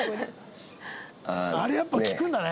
あれやっぱ効くんだね。